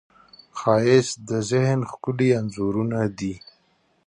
ښایست د ذهن ښکلي انځورونه دي